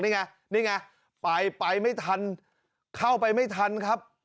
นี่ไงนี่ไงไปไปไม่ทันเข้าไปไม่ทันครับ